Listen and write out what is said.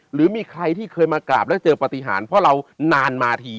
หรือมีใครที่เคยมากราบแล้วเจอปฏิหารเพราะเรานานมาที